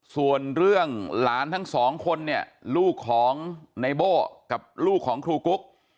ส่วนเรื่องหลานทั้งสองคนเนี่ยลูกของในโบ้กับลูกของครูกุ๊ก